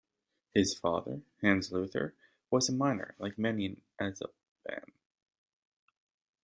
His father, Hans Luther, was a miner like many in Eisleben.